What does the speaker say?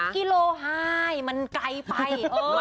๑๐กิโลมันไกลไป